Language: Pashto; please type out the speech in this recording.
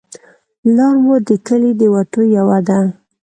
لار مو د کلي د وتو یوه ده